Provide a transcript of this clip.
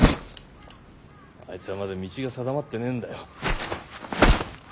あいつはまだ道が定まってねえんだよ。